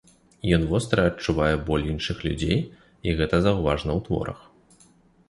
Ён востра адчувае боль іншых людзей, і гэта заўважна ў творах.